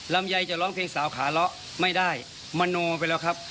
ลำไยจะร้องเพลงสาวขาเลาะไม่ได้มโนไปแล้วครับ